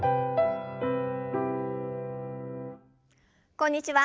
こんにちは。